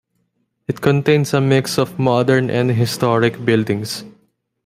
It contains a mix of modern and historic buildings.